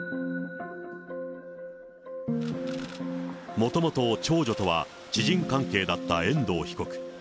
もともと長女とは知人関係だった遠藤被告。